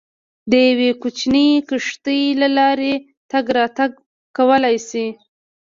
د یوې کوچنۍ کښتۍ له لارې تګ راتګ کولای شي.